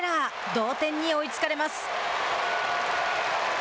同点に追いつかれます。